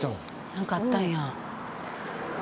なんかあったんや。